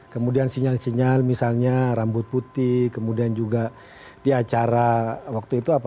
kemudian sinyal sinyal misalnya rambut putih kemudian juga di acara waktu itu apa